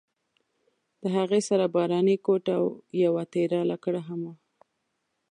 د هغې سره باراني کوټ او یوه تېره لکړه هم وه.